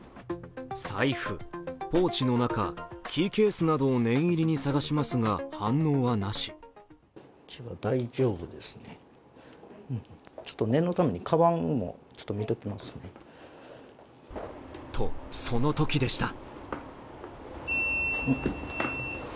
財布、ポーチの中、キーケースなどを念入りに探しますが、反応はなしとそのときでした。